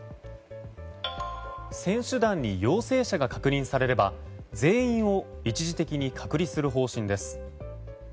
選手団に陽性者が確認されれば全員を一時的に隔離する方針です。